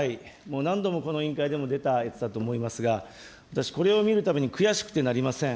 何度もこの委員会でも出たやつだと思いますが、私、これを見るたびに悔しくてなりません。